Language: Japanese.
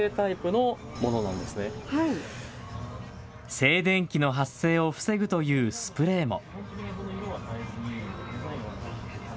静電気の発生を防ぐというスプレーも。